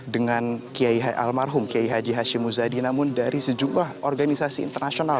dengan kiai almarhum kiai haji hashim muzadi namun dari sejumlah organisasi internasional